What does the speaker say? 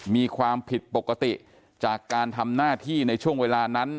มีความผิดปกติจากการทำหน้าที่ในช่วงเวลานั้น